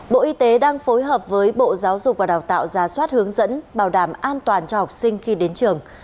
bộ y tế đang phối hợp với bộ giáo dục và đào tạo ra soát hướng dẫn bảo đảm an toàn cho học sinh khi đến trường